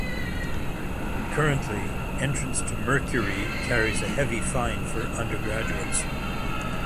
Currently, entrance to Mercury carries a heavy fine for undergraduates.